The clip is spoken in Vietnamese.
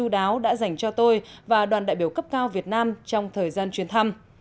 đáo đã dành cho tôi và đoàn đại biểu cấp cao việt nam trong thời gian chuyến thăm